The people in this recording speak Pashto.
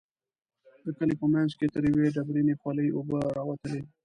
د کلي په منځ کې تر يوې ډبرينې خولۍ اوبه راوتلې.